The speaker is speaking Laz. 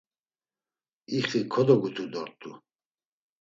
İxi kodogutu dort̆u.